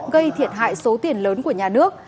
gây thiệt hại số tiền lớn của nhà nước